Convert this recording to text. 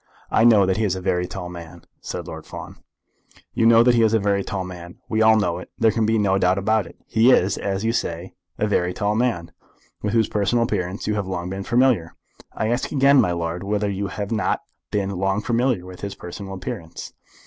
"I know that he is a very tall man," said Lord Fawn. "You know that he is a very tall man. We all know it. There can be no doubt about it. He is, as you say, a very tall man, with whose personal appearance you have long been familiar? I ask again, my lord, whether you have not been long familiar with his personal appearance?"